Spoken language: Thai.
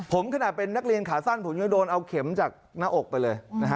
ผมขนาดเป็นนักเรียนขาสั้นผมยังโดนเอาเข็มจากหน้าอกไปเลย